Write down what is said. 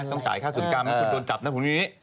ต้องจ่ายค่าสุดกรรมไม่คุณโดนจับนะคุณนี้